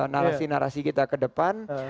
narasi narasi kita ke depan